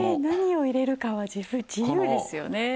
ねえ何を入れるかは自由ですよね。